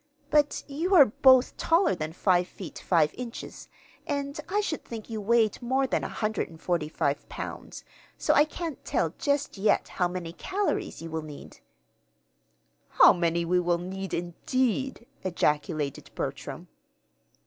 But you both are taller than five feet five inches, and I should think you weighed more than 145 pounds; so I can't tell just yet how many calories you will need." "How many we will need, indeed!" ejaculated Bertram.